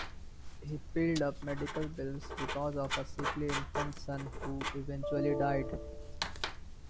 He piled up medical bills because of a sickly infant son who eventually died.